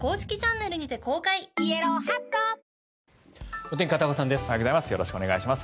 おはようございます。